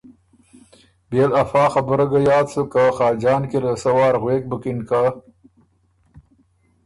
بيې ل افا خبُره ګه یاد سُک که خاجان کی له سۀ وار غوېک بُکِن که ”